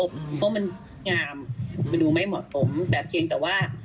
เพราะมันงามมันดูไม่เหมาะสมแต่เพียงแต่ว่า